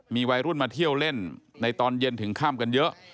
มีวัยรุ่นมาเที่ยวเล่นในตอนเย็นถึงข้ามกันเยอะ